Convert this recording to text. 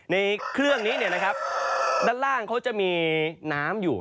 ในเครื่องนี้ด้านล่างเขาจะมีน้ำอยู่